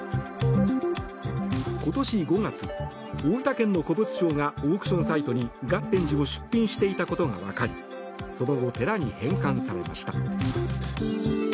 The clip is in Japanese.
今年５月、大分県の古物商がオークションサイトに月天子を出品していたことがわかりその後、寺に返還されました。